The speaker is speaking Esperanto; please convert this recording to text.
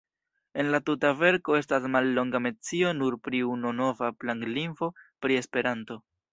En la tuta verko estas mallonga mencio nur pri unu nova planlingvo, pri esperanto.